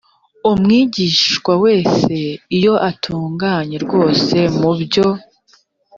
umwigishwa wese iyo atunganye rwose mu byo